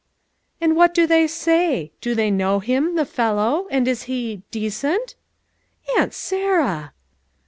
"And what do they say? Do they know him — the fellow — and is he — decent?" "Aunt Sarah!"